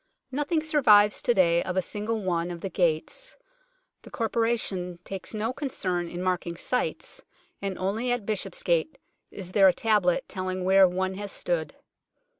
Nothing survives to day of a single one of the gates. The Corporation takes no concern in marking sites, and only at Bishopsgate is there a tablet telling where one has stood.